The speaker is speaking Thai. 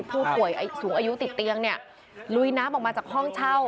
ผู้ป่วยสูงอายุติดเตียงเนี่ยลุยน้ำออกมาจากห้องเช่า